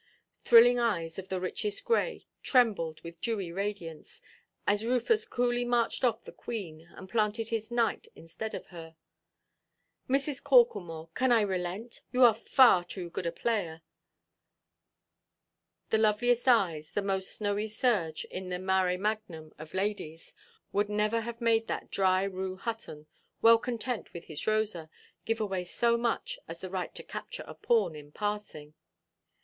Thrilling eyes of the richest grey trembled with dewy radiance, as Rufus coolly marched off the queen, and planted his knight instead of her. "Mrs. Corklemore, can I relent? You are far too good a player." The loveliest eyes, the most snowy surge, in the "mare magnum" of ladies, would never have made that dry Rue Hutton, well content with his Rosa, give away so much as the right to capture a pawn in passing.